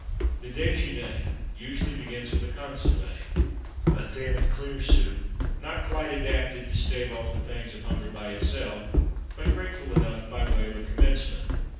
_" The déjeûner usually begins with a consommé, a thin, clear, soup, not quite adapted to stave off the pangs of hunger by itself, but grateful enough by way of a commencement.